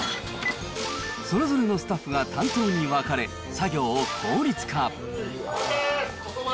それぞれのスタッフが担当に分かれ、作業を効率化。